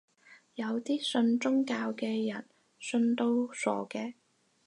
有啲信宗教嘅人信到傻嘅